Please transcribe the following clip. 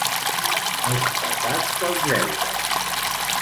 Més pesat que els deutes.